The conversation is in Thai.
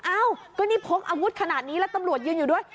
อ้าวก็นี่พกอาวุธขนาดนี้แล้วตำรวจยืนอยู่ด้วย